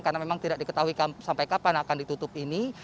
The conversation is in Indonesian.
karena memang tidak diketahui sampai kapan akan ditutup ini